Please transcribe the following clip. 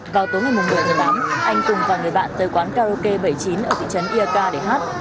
vào tối ngày mùng một mươi tháng tám anh tùng và người bạn tới quán karaoke bảy mươi chín ở thị trấn ia ca để hát